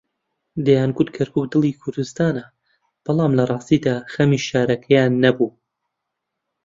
دەیانگوت کەرکووک دڵی کوردستانە، بەڵام لەڕاستیدا خەمی شارەکەیان نەبوو.